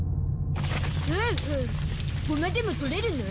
ほうほうゴマでも取れるの？